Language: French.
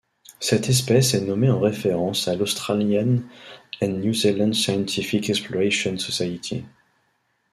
Cette espèce est nommée en référence à l'Australian and New Zealand Scientific Exploration Society.